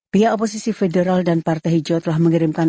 pihak oposisi federal dan partai hijau telah mengirimkan